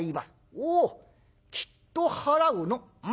「おおきっと払うのう。